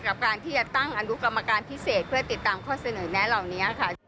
กับการที่จะตั้งอนุกรรมการพิเศษเพื่อติดตามข้อเสนอแนะเหล่านี้ค่ะ